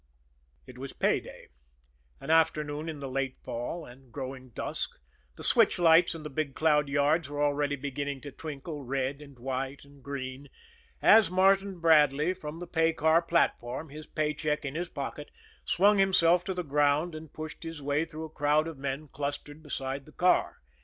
It was pay day, an afternoon in the late fall, and, growing dusk, the switch lights in the Big Cloud yards were already beginning to twinkle red and white and green, as Martin Bradley, from the pay car platform, his pay check in his pocket, swung himself to the ground and pushed his way through a group of men clustered beside the car.